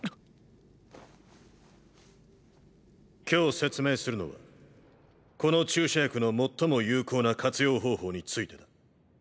今日説明するのはこの注射薬の最も有効な活用方法についてだ。